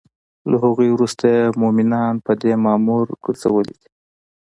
له هغوی وروسته یی مومنان په دی مامور ګرځولی دی